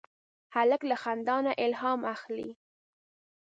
هلک له خندا نه الهام اخلي.